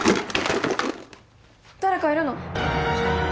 誰かいるの？